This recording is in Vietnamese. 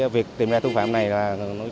việc tìm ra tù phạm này cũng ổn định được